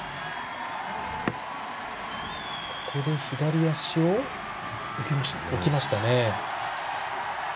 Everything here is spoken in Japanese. ここで左足をいきました。